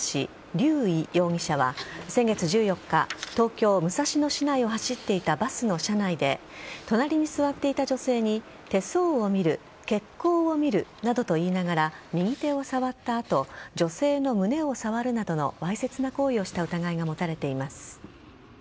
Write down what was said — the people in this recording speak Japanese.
リュウ・イ容疑者は先月１４日東京・武蔵野市内を走っていたバスの車内で隣に座っていた女性に手相を見る血行を見ると言いながら右手を触った後女性の胸を触るなどのわいせつな行為をした疑いが持たれています。